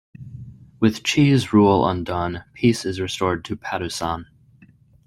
With Chi's rule undone, peace is restored to Patusan.